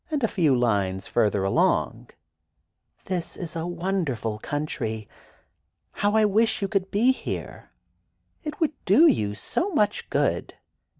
And a few lines further along, "This is a wonderful country! How I wish you could be here; it would do you so much good.